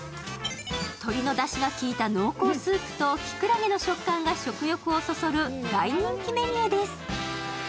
鶏のだしが効いた濃厚スープときくらげの食感が食欲をそそる大人気メニューです。